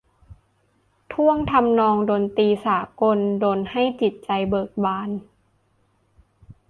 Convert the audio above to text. ท่วงทำนองดนตรีสากลดลให้จิตใจเบิกบาน